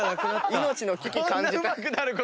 命の危機感じた。